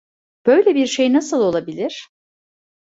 Böyle bir şey nasıl olabilir?